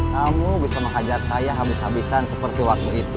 kamu bisa menghajar saya habis habisan seperti waktu itu